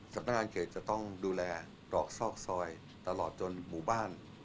สำนักงานเขตจะต้องดูแลเกาะซอกซอยตลอดจนหมู่บ้าน